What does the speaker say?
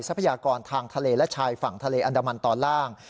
พยากรทางทะเลและชายฝั่งทะเลอันดามันตอนล่าง